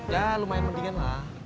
ya lumayan mendingan lah